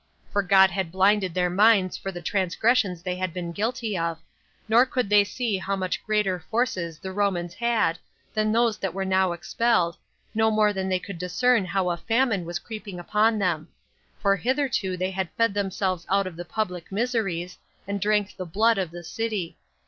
For God had blinded their minds for the transgressions they had been guilty of, nor could they see how much greater forces the Romans had than those that were now expelled, no more than they could discern how a famine was creeping upon them; for hitherto they had fed themselves out of the public miseries, and drank the blood of the city.